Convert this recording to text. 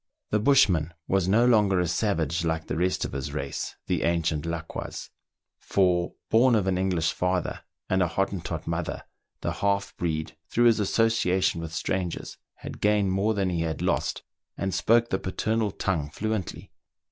The bushman was no longer a savage like the rest of his race, the ancient Laquas ; for, born of an English father and a Hottentot mother, the half breed, through his associa tion with strangers, had gained more than he had lost, and spoke the paternal tongue fluently.